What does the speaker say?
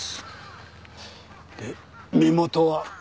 で身元は？